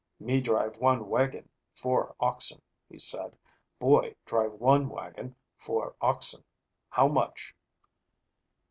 "Me drive one wagon, four oxen," he said. "Boy drive one wagon, four oxen. How much?"